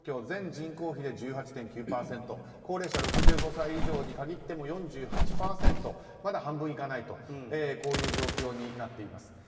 全人口比で１８．９％高齢者６５歳以上に限っても４８％まだ半分いかないという状況になっています。